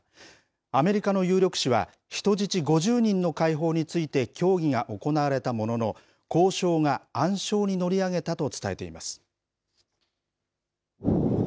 アメリカの有力紙は、人質５０人の解放について競技が行われたものの、交渉が暗礁に乗り上げたと伝えています。